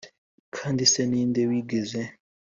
Kandi se ni nde wigeze